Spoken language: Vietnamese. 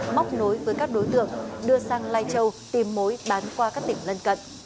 móc nối với các đối tượng đưa sang lai châu tìm mối bán qua các tỉnh lân cận